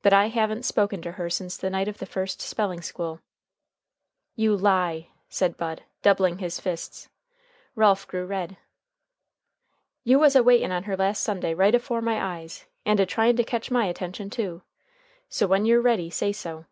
But I haven't spoken to her since the night of the first spelling school." "You lie!" said Bud, doubling his fists. Ralph grew red. "You was a waitin' on her last Sunday right afore my eyes, and a tryin' to ketch my attention too. So when you're ready say so."